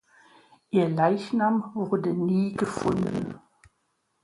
Ihr Leichnam wurde nie gefunden.